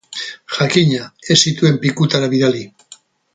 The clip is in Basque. Jakina, ez zituen pikutara bidali.